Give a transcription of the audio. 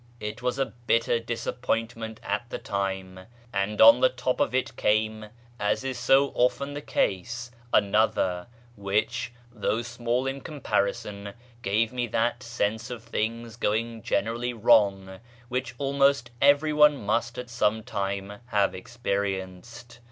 It was a bitter disaiipointment at the time, and on the top of it came, as is so often the case, another, whicli, thongli small in comparison, gave me that sense of things going generally wrung which almost everyone nnist at some time have experienced.